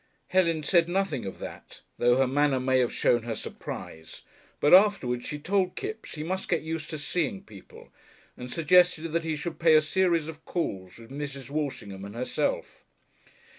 Helen said nothing of that, though her manner may have shown her surprise, but afterwards she told Kipps he must get used to seeing people, and suggested that he should pay a series of calls with Mrs. Walshingham and herself.